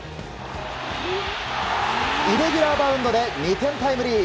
イレギュラーバウンドで２点タイムリー。